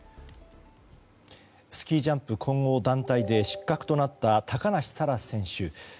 スキージャンプ混合団体で失格となった高梨沙羅選手。